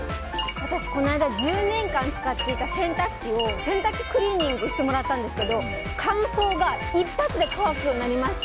私、この間１０年間使っていた洗濯機を洗濯機クリーニングしてもらったんですけど乾燥が一発で乾くようになりました。